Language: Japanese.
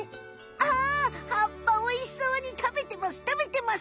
あはっぱおいしそうにたべてます。